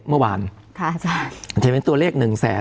เมื่อวานใช้เป็นตัวเลข